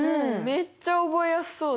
めっちゃ覚えやすそう。